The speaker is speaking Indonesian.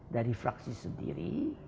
dari fraksi sendiri